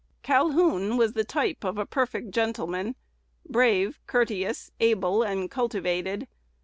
Calhoun was the type of a perfect gentleman, brave, courteous, able, and cultivated.